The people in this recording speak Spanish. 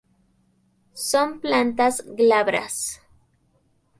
Son plantas glabras.